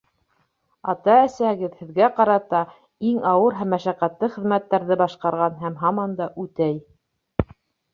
Ата-әсәгеҙ һеҙгә ҡарата иң ауыр һәм мәшәҡәтле хеҙмәттәрҙе башҡарған һәм һаман да үтәй.